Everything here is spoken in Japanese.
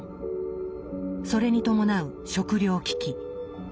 それに伴う食糧危機。